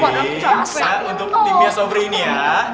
untuk timnya sobri ini ya